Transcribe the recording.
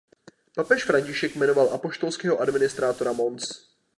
Papež František jmenoval apoštolského administrátora Mons.